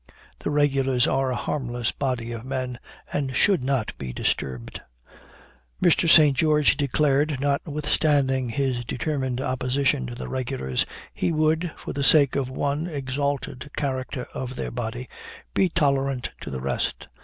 The regulars are a harmless body of men, and should not be disturbed. "Mr. St. George declared, notwithstanding his determined opposition to the regulars, he would, for the sake of one exalted character of their body, be tolerant to the rest.